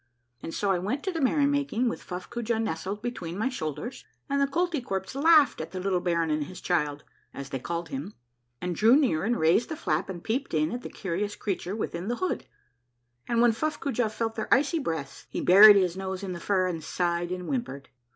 " And so I went to the merry making with Fuffcoojah nestled between my shoulders, and the Koltykwerps laughed at the little baron and his child, as they called him, and drew near and raised the flap and peeped in at the curious crea ture within the hood, and when F uffcoojah felt their icy breaths, he buried his nose in the fur and sighed and whimpered.